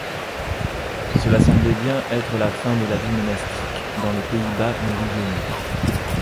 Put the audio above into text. Cela semblait bien être la fin de la vie monastique dans les Pays-Bas méridionaux.